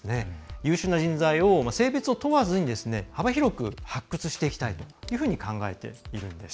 優秀な人材を性別を問わず幅広く発掘していきたいと考えているんです。